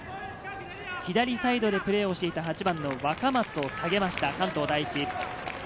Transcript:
左サイドでプレーをしていた８番の若松を下げました、関東第一。